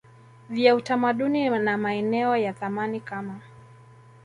vya utamaduni na maeneo ya thamani kama